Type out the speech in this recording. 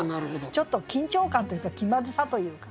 ちょっと緊張感というか気まずさというかね。